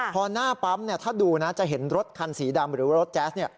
พอหน้าปั๊มเนี่ยถ้าดูนะจะเห็นรถคันสีดำหรือรถแจ๊สเนี่ย